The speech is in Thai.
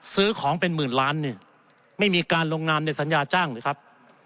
ซื้อของเป็นหมื่นล้านเนี่ยไม่มีการลงนามในสัญญาจ้างหรือครับ